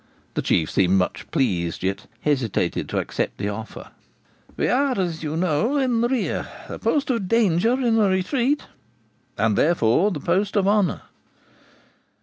The Chief seemed much pleased, yet hesitated to accept the offer. 'We are, you know, in the rear, the post of danger in a retreat.' 'And therefore the post of honour.'